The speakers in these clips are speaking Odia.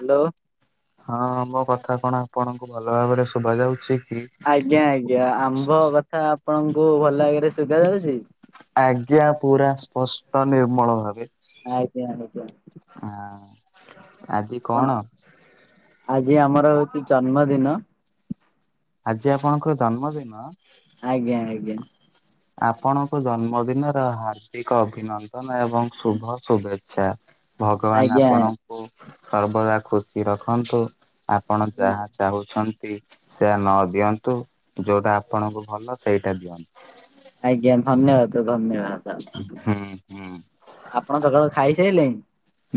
ହ୍ୟାଲୋ ହଁ ମୋ କଥା କଣ ଆପଣଙ୍କୁ ଭଲ ଭାବରେ ଶୁଭା ଯାଉଚି? ଆଜ୍ଞା ଆଜ୍ଞା ଆମ୍ଭ କଥା ଆପଣଙ୍କୁ ଭଲ ଆଗରେ ସୁଗା ଯାଉଚି? ଆଜ୍ଞା ପୁରା ସ୍ପଷ୍ଟ ନିର୍ମଳ ଭାବେ। ଆଜ୍ଞା ଆଜ୍ଞା। ଆ ଆଜି ଆପଣ କଣ? ଆଜି ଆମର ହୋଉଚି ଜନ୍ମଦିନ। ଆଜି ଆପଣଙ୍କ ଜନ୍ମଦିନ? ଆଜ୍ଞା ଆଜ୍ଞା ଆପଣଙ୍କୁ ଜନ୍ମଦିନର ହାର୍ଦ୍ଦିକ ଅଭିନନ୍ଦନ ଏବଂ ଶୁଭ ଶୁଭେଚ୍ଛା। ଭଗବାନ ଆଜ୍ଞା ଆପଣଙ୍କୁ ସର୍ବଦା ଖୁସି ରଖନ୍ତୁ। ଆପଣ ଯାହା ଚାହୁଁଛ ତି ସେୟା ନ ଦିଅନ୍ତୁ ଯୋଉଟା ଆପଣଙ୍କୁ ଭଲ ସେଇଟା ଦିଅ। ଆଜ୍ଞା ଧନ୍ୟବାଦ ଧନ୍ୟବା ହୁଁ ହୁଁ। ଆପଣ ସକାଳୁ ଖାଇସାଇଲେଇଁ?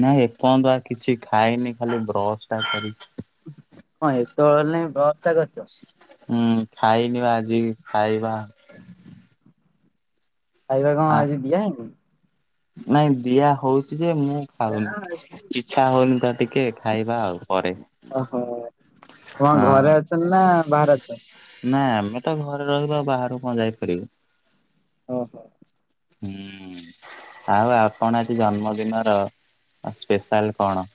ନାଇଁ ଏପଅନ୍ତ ଆ କିଛି ଖାଇନି ଖାଲି ବ୍ରସ୍ ଟା କରିଚି। ହଁ ଏତୋଳ ହେଲାଇଁ ବ୍ରସ୍ ଟା କରିଚ? ଉଁ ଖାଇନି ବା ଆଜି ଖାଇବା। ଆଇବା କଁ ଆ ଆଜି ଦିଆ ହେଇନି? ନାଇଁ ଦିଆ ହଉଛି ଯେ ମୁଁ ଖାଉନି ଇଚ୍ଛା ହଉନି ତ ଟିକେ ଖାଇବା ଆଉ ପରେ। କଁ ହଁ ଘରେ ଅଛ ନାଁ ବାହାରେ ଅଛ? ନାଁ ଆମେ ତ ଘରେ ରହିଲୁ ଆଉ ବାହାରୁ କଁ ଯାଇପାରିବୁ? ଅହ। ହୁଁ। ଆଉ ଆପଣ ଆଜି ଜନ୍ମଦିନର ଅ ସ୍ପେଶାଲ୍ କଣ?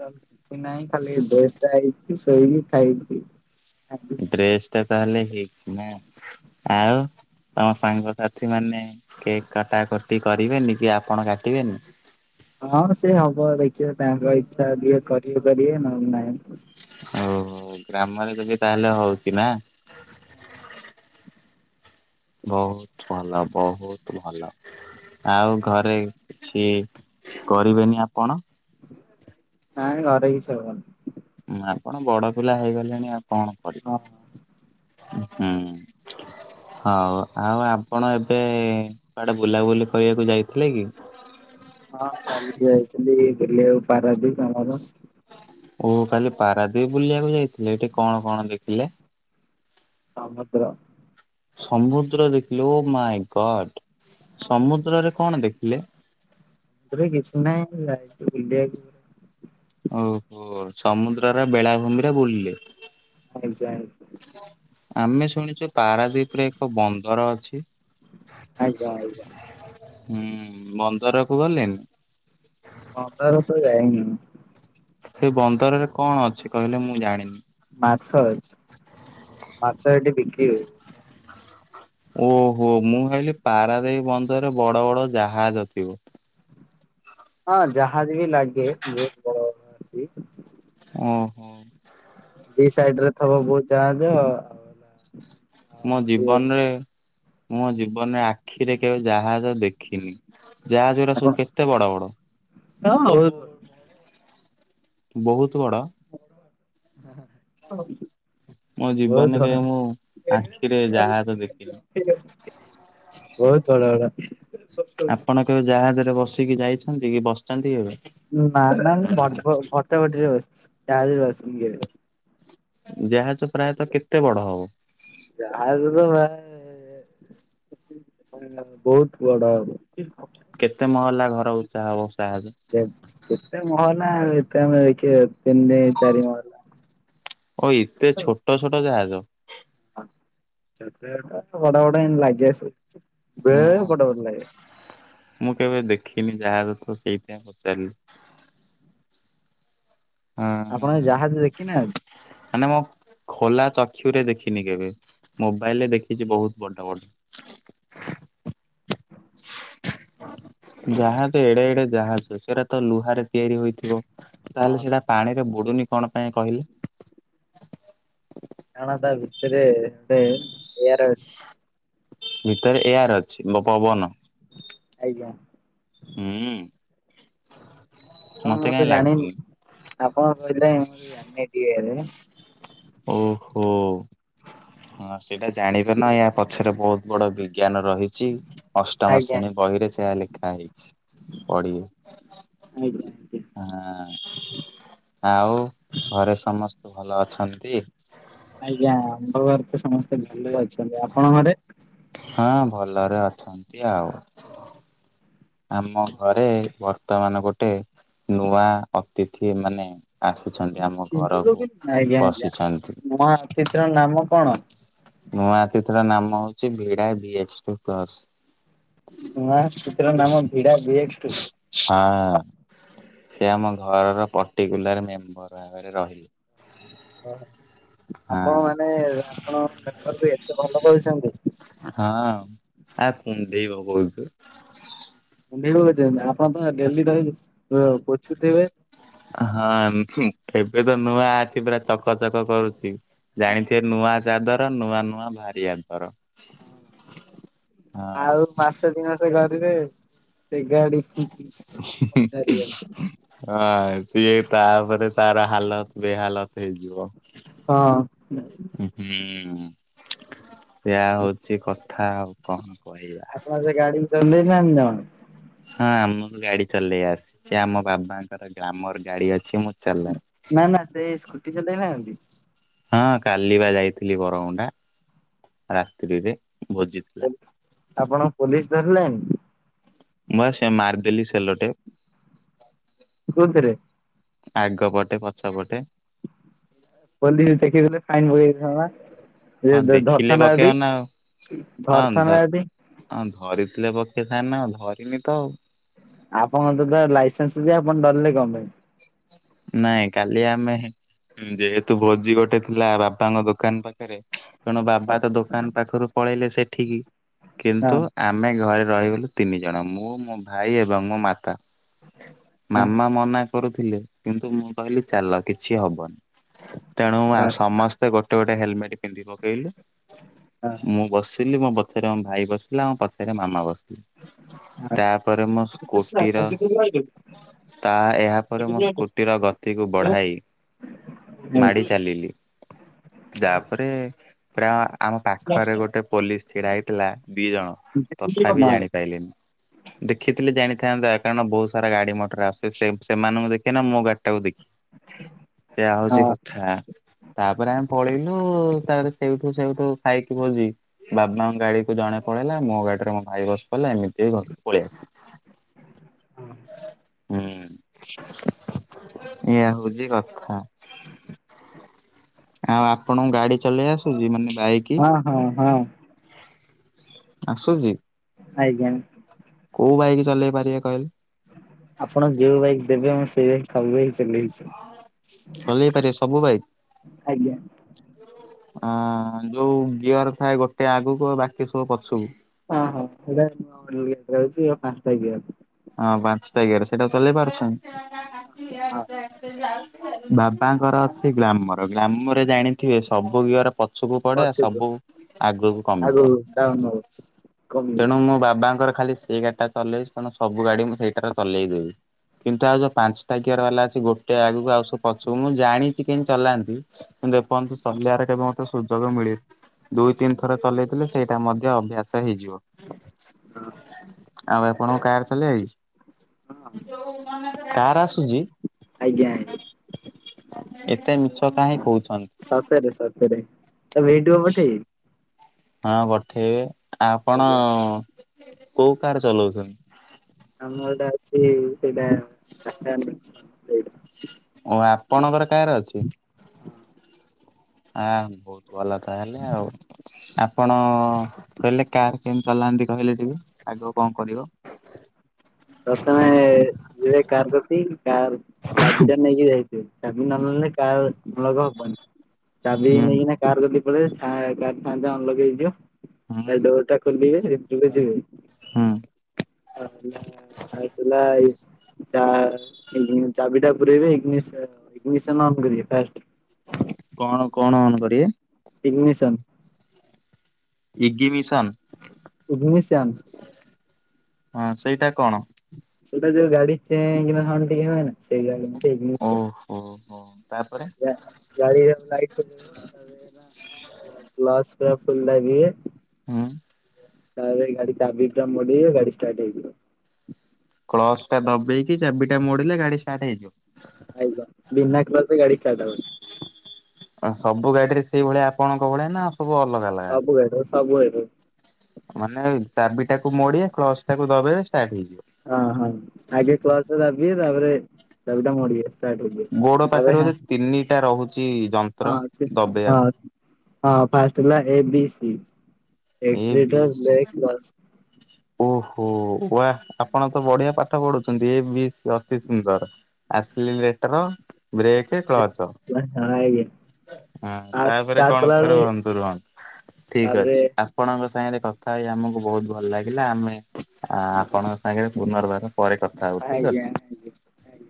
ତ ଆଉ କିଛି ନାହିଁ ଖାଲି ଡ୍ରେସ୍ ଟା ହେଇଚି ଶୋଇକି ଖାଇବୁ ପିଇ ଡ୍ରେସ୍ ଟା ତାହଲେ ହେଇଚି ନାଁ ଆଉ ଆଜି ତମ ସାଙ୍ଗସାଥି ମାନେ କେକ୍ କାଟାକଟି କରିବେନି କି ଆପଣ କାଟିବେନି? ହଁ ସେ ହବ ଦେଖିବେ ତାଙ୍କ ଇଚ୍ଛା ଯିଏ କରିବେ କରିବେ ନହେଲେ ନାଇଁ। ଓହୋ ଗ୍ରାମରେ ଯଦି ତାହେଲେ ହଉଚ ନାଁ? ବହୁତ ଭଲ ବହୁତ ଭଲ। ଆଉ ଘରେ କିଛି କରିବେନି ଆପଣ? ନାଇଁ ଘରେ କିଛ ହବନି। ଆପଣ ବଡ ପିଲା ହେଇଗଲେଣି ଆଉ କଣ ହଁ। କରିବେ ହୁଁ। ହଉ ଆଉ ଆପଣ ଏବେ କୁଆଡେ ବୁଲାବୁଲି କରିବାକୁ ଯାଇଥିଲେ କି? ହଁ କାଲି ଯାଇଥିଲି ବୁଲିବାକୁ ପାରାଦ୍ୱୀପ ଆମର ଓ କାଲି ପାରାଦ୍ୱୀପ ବୁଲିବାକୁ ଯାଇଥିଲେ ଏଠି କଣ କଣ ଦେଖିଲେ? ସମୁଦ୍ର ସମୁଦ୍ର ଦେଖିଲେ ଓ ମାଇଁ ଗଡ ସମୁଦ୍ରରେ କଣ ଦେଖ ହେଲେ ଏବେ କିଛି ନାହିଁ ଯାଇଥିଲି ବୁଲିବାକୁ। ଓହୋ ସମୁଦ୍ରର ବେଳାଭୂମିରେ ବୁଲିଲେ। ଆଜ୍ଞା ଆଜ୍ଞା। ଆମେ ଶୁଣିଚୁ ପାରାଦ୍ୱୀପ ରେ ଏକ ବନ୍ଦର ଅଛି? ଆଜ୍ଞା ଆଜ୍ଞା ହୁଁ ବନ୍ଦରକୁ ଗଲେନି? ବନ୍ଦର ତ ଯାଇନି ସେ ବନ୍ଦରରେ କଣ ଅଛି କହିଲେ ମୁଁ ଜାଣିନି? ମାଛ ଅଛି। ମାଛ [unintelligible] ଓହୋ ମୁଁ ଭାବିଲି ପାରାଦ୍ୱୀପ ବନ୍ଦରରେ ବଡ ବଡ ଜାହାଜ ଥିବ। ହଁ ଜାହାଜ ବି ଲାଗେ ବହୁତ ବଡ଼ ଅଛି। ଓହୋ। ଦି ସାଇଡ ରେ ଥବ ବହୁତ ଜାହାଜ ଆଉ ମୋ ମଝିରେ ଜୀବନ ରେ ମୋ ଜୀବନରେ ଆଖିରେ କେବେ ଜାହାଜ ଦେଖିନି। ଜାହାଜ ଉରା ହଁ ସବୁ କେତେ ବଡ ବଡ? [unintelligible] ବହୁତ ବଡ? ହଁ। ମୋ ଜୀବନରେ କେ ମୁଁ ଆଖିରେ ଜାହାଜ ଦେଖିନି। ବହୁତ ବଡ ବଡ ଆପଣ କେବେ ଜାହାଜରେ ବସିକି ଯାଇଛନ୍ତି କି ବସିଚନ୍ତି କେବେ? ନା ନା ଭଟ ଭ ଭଟରେ ବସିଛି ଜାହଜ ରେ ବସିନି କେବେ। ଜାହାଜ ପ୍ରାୟତଃ କେତେ ବଡ ହବ? ଜାହାଜ ତ ଭାଇ ବହୁତ ବଡ ହବ କେତେ ମହଲା ଘର ଉଚା ହବ? ଜାହାଜ? କେତ କେତେ ମହଲା ଏତେ ଆମେ ଦେଖିବା ତିନି ଚାରି ମହଲା। ଓ ଏତେ ଛୋଟ ଛୋଟ ଜାହାଜ ହ ଛୋଟ ବଡ ବଡ଼ ବଡ଼ ଏନ୍ତି ଲାଗେ ସବୁ। ବେଳେବେଳେ ବଡ଼ ବଡ଼ ଲାଗେ। ମୁଁ କେବେ ଦେଖିନି ଜାହଜ ତ ସେଇଥିାଇଁ ପଚାରିଲି। ହଁ ଆପଣ ହଁ। ଜାହାଜ ଦେଖି ନାହାନ୍ତି? [unintelligible] ଖୋଲା ଚକ୍ଷୁରେ ଦେଖିନି କେବେ ମୋବାଇଲରେ ଦେଖିଚି ବହୁତ ବଡ ବଡ। [inaudible] ଜାହଜ ଏଡେ ଏଡେ ଜାହଜ ସେରା ତ ଲୁହରେ ତିଆରି ହୋଇଥିବ ତାହେଲେ ହଁ ସେଇଟା ପାଣିରେ ବୁ ବୁଡୁନି କଣ ପାଇଁ କହିଲେ? କାରଣ ତା ଭିତରେ ଏତେ ଏଆର ଅଛି। ଭିତରେ ଏଆର ଅଛି ମୋ ପବନ ଆଜ୍ଞା। ହୁଁ। ହଁ ମତେ ମୁଁ କାହିଁ ତ ଲାଗୁନି। ଜାଣିନି ଆପଣଙ୍କ କହିଥିଲେ ମୁଁ ତ ଜାଣିନି ଏତେ ଇଏରେ ଓହୋ। ହଁ ଆଉ ସେଇଟା ଜାଣିବେନା ୟା ପଛରେ ବୋହୁତ ବଡ ବିଜ୍ଞାନ ରହିଚି ଅଷ୍ଟମ ଆଜ୍ଞା ଶ୍ରେଣୀ ବହିରେ ସେୟା ଲେଖାହେଇଚି। ପଢ଼ିବେ। ଆଜ୍ଞା ହଁ। ଆଉ ଘରେ ସମସ୍ତେ ଭଲ ଅଛନ୍ତି? ଆଜ୍ଞା ଆମ୍ଭ ଘରେ ତ ସମସ୍ତେ ଭଲରେ ଅଛନ୍ତି ଆପଣ ଘରେ? ହଁ ଭଲରେ ଅଛନ୍ତି ଆଉ। ଆମ ଘରେ ବର୍ତ୍ତମାନ ଗୋଟେ ନୂଆ ଅତିଥି ମାନେ ଆସିଛନ୍ତି ଆମ କେନ୍ଦୁଲ ଘରକୁ ବିଲ? ଆଜ୍ଞା ଆଜ୍ଞା ବଶିଛନ୍ତି। ନୂଆ ଅତିଥିର ନାମ କଣ? ନୂଆ କେତେଟା ନାମ ହୋଉଚି ଭିଡା ବି ଏଚ୍ ଟି ପ୍ଲସ୍। ନ ଅତିଥି ର ନାମ ଭିଡା ଭି ଏସ୍ ଟି ହଁ ସେ ଆମ ଘରର ପଟିକୁଲାର ମେମ୍ବର ଭାବରେ ରହିଲେ। ହଁ। ହଁ ଆପଣମାନେ ଆପଣଙ୍କ ମେମ୍ବର ବି ଏତେ ଭଲ ପାଉଛନ୍ତି। ହଁ ଆ କୁଣ୍ଢେଇବ ବୋହୁତୁ। ଭିଡିଓ କରିଚନ୍ତି ଆପଣ ତ ଡେଲି ତ ଭାଇ ପୋଛୁଥୁବେ? ହଁ ଏବେ ତ ନୂଆ ଅଛି ପୁରା ଚକ ଚକ କରୁଚି ଜାଣିଥିବେ ନୂଆ ଚାଦର ନୂଆ ନୂଆ ବାହାରି ଆନ୍ତର। ହଁ ଆଉ ମାସେ ଦି ମାସେ କରିବେ ସେ ଗାଡି ହୁଁ ହୁଁ ପଚାରିବେନି। ହଁ ସିଏ ତାପରେ ତାର ହାଲତ ବେହାଲତ ହେଇଯିବ। ହଁ। ହୁଁ ସେଇଆ ହୋଉଚି କଥା ଆଉ କଣ। କହିବା ଆପଣ ସେ ଗାଡିକି ଚଲେଇ ନାହାନ୍ତି ଜମାରୁ? ହଁ ଆମକୁ ଗାଡି ଚଲେଇ ଆସିଚି ଆମ ବାବାଙ୍କର ଗ୍ଲାମର ଗାଡି ଅଛି ମୁଁ ଚଲାଏ। ନା ନା ସେ ସ୍କୁଟି ଚଲେଇ ନାହାନ୍ତି? ହଁ କାଲି ପା ଯାଇଥିଲି ବରମୁଣ୍ଡା ରାତ୍ରୀରେ। ପୋଲ୍-ଆପଣଙ୍କୁ ପୋଲିସ୍ ଧରିଲାନି? ମୁଁ ପା ସେ ମାରିଦେଲି ସେଲୋଟେପ୍। କୋଉଥିରେ? ଆଗ ପଟେ ପଛ ପଟେ ପୋଲିସ ଦେଖିଥିଲେ ଫାଇନ ପକେଇ ହଁ ଦେଇଥାନ୍ତା। ଦେଖିଲେ ଧରଥାନ୍ତା ପକେଇବ ଜଦି ନା ଆଉ ଧରିଥାନ୍ତା ଜଦି? ଥିଲେ ପକ୍ଷେଇ ଥାନ୍ତିନା ଆଉ ଧରିନି ତ ଆଉ। ଆପଣଙ୍କ ଦରକାର ଲାଇସେନ୍ସ ଥିଲା ଆପଣ ଡରିଲ କଣ ପାଇଁ? ନାଇଁ କାଲି ଆମେ ହେ ଯେହେତୁ ଭୋଜି ଗୋଟେ ଥିଲା ବାପାଙ୍କ ଦୋକାନ ପାଖରେ ତେଣୁ ବାବା ପାଇଁ? ତ ଦୋକାନ ପାଖରୁ ପଳେଇଲେ ସେଠିକି ହଁ କିନ୍ତୁ ଆମେ ଘରେ ରହିଗଲୁ ତିନି ଜଣ ମୁଁ, ମୋ ଭାଇ, ଏବଂ ମୋ ମାତା। ହଁ ହଁ ମାମା ମନା କରୁଥିଲେ କିନ୍ତୁ ମୁଁ କହିଲି ଚାଲ କିଛି ହବନି। ତେଣୁ ଆଉ ହଁ ସମସ୍ତେ ଗୋଟେ ଗୋଟେ ହେଲମେଟ ପିନ୍ଧି ପକେଇଲୁ। ମୁଁ ବସିଲି ମୋ ବ ପଛରେ ଆମ ଭାଇ ବସିଲା ପଛରେ ମାମା ବସିଥି ତା ପରେ ମୋ ସ୍କୁୋଟିର ତା-ଏହାପରେ ମୋ ସ୍ ସ୍କୁଟିର ଗତିକୁ ବଢାଇ ମାଡି ଚାଲିଲି ଯାପରେ ପୁରା ଆମ ପାଖରେ ଗୋଟେ ପୋଲିସ୍ ଛିଡା ହେଇଥିଲା। ଦିଜଣ ତଥାପି ଜାଣିପାଇଲେନି ଦେଖିଥିଲେ ଜାଣି ଥାନ୍ତା କାରଣ ବୋହୁତ ସାରା ଗାଡି ମଟର ଆସେ ସେ-ସେମାନଙ୍କୁ ଦେଖିବେ ନା ମୋ ଗାଡି ଟାକୁ ଦେଖି ସେଇଆ ହୋଉଚି କଥା ତାପରେ ଆମେ ପଳେଇ ଉଁ ତାରେ ସେଇଠୁ ସେଇଠୁ ଖାଇକି ଭୋଜି ବାବାଙ୍କ ଗାଡିକୁୁ ଜଣେ ପଳେଇଲା ମୋ ଗାଡିରେ ମୋ ଭାଇ ବସ କହିଲା ଏମିତି ଘର କୁ ପଳେଇ ଆସେ ହୁଁ। [inaudible] ଏଇଆ ହୋଉଛି କଥା ଆଉ ଆପଣଙ୍କ ଗାଡି ଚଲେଇ ଆସୁଛି ମାନେ ବାଇକି? ହଁ ହଁ ହଁ। ଆସୁଛି? ଆଜ୍ଞା। କୋଉ ବାଇକ ଚଲେଇ ପାରିବେ କହିଲେ? ଆପଣ ଯୋଉ ବାଇକ୍ ଦେବେ ମୁଁ ସେଇ ବାଇକ୍ ସବୁ ବେଳେ ଚଲେଇଵି। ଚଲେଇ ପାରିବେ ସବୁ ବାଇକ୍? ଆଜ୍ଞା ଅ ଯୋଉ ଗିଅର ଥାଏ ଗୋଟେ ଆଗକୁ ଆଉ ବାକି ସବୁ ପଛକୁ। ହଁ ହଁ ସେଇଟା [unintelligible] ପାଞ୍ଚଟା ଗିଅର। ହଁ ପାଞ୍ଚଟା ଗିଅର ସେଇଟା ଚଲେଇ ପାରୁଛନ୍ତି? ହଁ ବାବାଙ୍କର ଅଛି ଗ୍ଲାମର ଗ୍ଲାମର ଜାଣିଥିବେ ସବୁ ଗିଅର ପ ଛ କୁ ପଡେ ଆଉ ପଛକୁ ସବୁ ଆଗକୁ କମ୍ ଯା ଆଗକୁ ଡାଉନ ହବ କମିବ ତେଣୁ ମୁଁ ବାବାଙ୍କର ଖାଲି ସେଇ ଗାଡି ଟା ଚଲେଇଛି ତେଣୁ ସବୁ ଗାଡି ମୁଁ ସେଇଟାର ଚଲେଇ ଦେବି। କିନ୍ତୁ ଆଉ ଯୋଉ ପାଞ୍ଚଟା ଗିଅର ବାଲା ଅଛି ଗୋଟେ ଆଗକୁ ଆଉ ସବୁ ପଛକୁ ମୁଁ ଜାଣିଛି କେମତି ଚଲାନ୍ତି। କିନ୍ତ ଏ ପଯ୍ୟନ୍ତ ଚଲେଇବାରେ କେବେ ମୋତେ ସୁଯୋଗ ମିଳିନି। ଦୁଇ ତିନି ଥର ଚଲେଇଥିଲେ ସେଇଟା ମଧ୍ୟ ଅଭ୍ୟାସ ହେଇଯିବ। ହୁଁ। ଆଉ ଆପଣଙ୍କୁ କାର ଚଲେଇ ଆଇଛି ହଁ କାର ଆସୁ ଜି ଆଜ୍ଞା ଆଜ୍ଞା ଏତେ ମିଛ କାହିଁ କହୁଛ? ସତରେ ସତରେ ଏ ଭିଡ଼ିଓ ପଠେଇବି। ହଁ ପଠେଇବେ ଆପଣ ଆଜ୍ଞା କୋଉ କାର୍ ଚଲୋଉଛନ୍ତି? ଆମଟା ଅଛି ସେଇଟା ଟା। [unintelligible] ଓ ଆପଣଙ୍କର କାର୍ ଅଛି? ହଁ। ଆଁ ବହୁତ ଭଲ ତାହେଲେ ଆଉ ଆପଣ କହିଲେ କାର୍ କେମିତି ଚଲା ନ୍ତି କହିଲେ ଟିକେ ଆଗ କଣ କରିବ? ପ୍ରଥମେ ଯବେ କାର ଦେଖିଲି କାର ଚାବି ଟା ନେଇକି ଯାଇଥିବେ ଚାବି ନ ନେଲେ କାର ଲକ ହବନି। ଚାବି ହୁଁ ନେଇକି କାର [unintelligible] ଲଗେଇ ଦିଅ। ହୁଁ ସେ ଡୋର ଟା ଖୋଲିବେ ଭିତିର କୁ ଯିବୁ ହୁଁ ପାଣି ତୁଲାଉ ଚାବିଟା ପୂରେଇବେ [unintelligible] ଫାଷ୍ଟ କଣ କଣ ଅନ କରିବେ? ଇଗ୍ନିଶନ୍। Ignition? ଉଦମିଶନ୍। ହଁ ସେଇଟା କଣ? ସେଟା ଯୋଉ ଗାଡି ଚେଁ କିନା ସାଉଣ୍ଡ ଟିକେ ହୁଏ ନା ସେଇ ଗାଡି ଜିନିଷ। ଓହୋ ହୋ ତାପରେ ଗା ଗାଡି ର ଲାଇଟି ତାପରେ ହେଲା ବ୍ଲସ ପୁରା ଫୁଲ ଦାଗିବ ହୁଁ । ତା ପରେ ଗାଡି ଚାବି ଟା ମୋଡି଼ବେ ଗାଡ଼ି ଷ୍ଟାର୍ଟ ହେଇଯିବ। କ୍ଳସ ଟା ଦବେଇକି ଚାବିଟା ମୋଡିଲେ ଗାଡି ଷ୍ଟାର୍ଟ ହେଇଯିବ? ଆଇଗ ଭିନା କ୍ରସ ରେ ଗାଡି ଷ୍ଟାର୍ଟ ହବନି। ସବୁ ଗାଡିରେ ସେଇଭଳିଆ ଆପଣଙ୍କ ଭଳିଆ ନା ସବୁ ଅଲଗା ଅଲଗା? ସବୁ ଗାଡିର ସବୁ ଏଢ଼େ ମାନେ ଚାବିଟାକୁ ମୋଡି କ୍ଲଜଟାକୁ ଦବେଇବେ ଷ୍ଟାର୍ଟ ହେଇଯିବ। ହଁ -ହଁ ଆଗେ କ୍ଲଜଟା ଦାବିବେ ତାପରେ ଚାବିଟା ମୋଡ଼ିବେ। ଷ୍ଟାଟ୍ ଗୋଡ ପାଖରେ ହବ। ବୋଧେ ତିନିଟା ରହୁଛି ଯନ୍ତ୍ର ହଁ- ଦବେଇବାକୁ। ହଁ- ହଁ ଫାଷ୍ଟ ହେଲା A B C. A B accelerator, brake, clutch. ଓ ୱା ଆପଣ ତ ବଢିଆ ପାଠ ପଢୁଛନ୍ତି, ଏ ବି ସି ଅତି ସୁନ୍ଦର। ଆସିଲେ ଲିଟର ବ୍ରେକ୍ କ୍ଲଚ। ବ୍ରେକ୍ ହଁ ଆଜ୍ଞା ହଁ ଫାଷ୍ଟ ତାପରେ ଷ୍ଟାର୍ଟ କଣ କଲା ବେଳେ ରୁହନ୍ତୁ ରୁହନ୍ତୁ ଠିକ ତାପରେ ଅଛି। ଆପଣ ଆପଣଙ୍କ ସାଙ୍ଗରେ କଥା ହେଇ ଆମକୁ ବହୁତ ଭଲ ଲାଗିଲା, ଆମେ ଆ ଆପଣଙ୍କ ସାଙ୍ଗରେ ପୁନର୍ବାର ପରେ କଥା ହବୁ ଠିକ ଆଜ୍ଞା ଅଛି। ଆଜ୍ଞା।